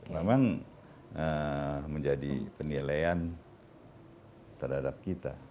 memang menjadi penilaian terhadap kita